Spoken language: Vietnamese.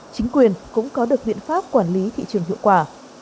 chính quyền cũng có được biện pháp quản lý thị trường hiệu quả